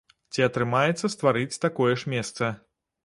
Ці атрымаецца стварыць такое ж месца?